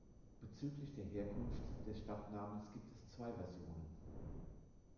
Bezüglich der Herkunft des Stadtnamens gibt es zwei Versionen.